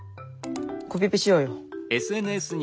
コピペしようよ。